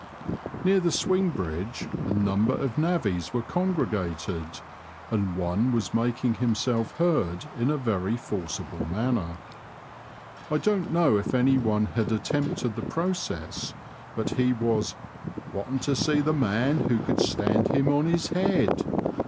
Near the swing bridge a number of navvies were congregated, and one was making himself heard in a very forcible manner. 1 don't know if any one had attempted the process, but he was wanting to see the man who could stand him on his head."